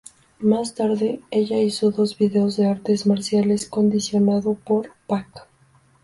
Más tarde, ella hizo dos videos de artes marciales condicionado por Pak.